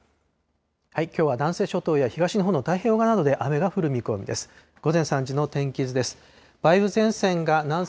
きょうは南西諸島や東日本の太平洋側などで雨が降る見込みです。